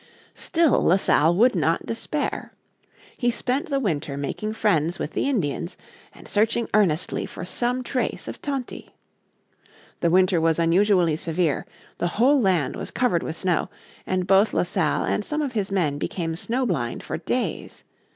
Still La Salle would not despair. He spent the winter making friends with the Indians and searching earnestly for some trace of Tonty. The winter was unusually severe, the whole land was covered with snow and both La Salle and some of his men became snow blind for days.